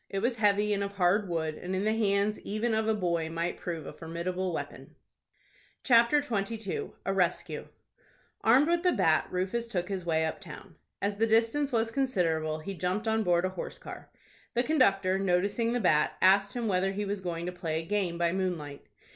It was heavy, and of hard wood, and in the hands even of a boy might prove a formidable weapon. CHAPTER XXII. A RESCUE. Armed with the bat, Rufus took his way up town. As the distance was considerable, he jumped on board a horse car. The conductor, noticing the bat, asked him whether he was going to play a game by moonlight.